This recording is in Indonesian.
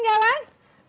nggak papa makasih ya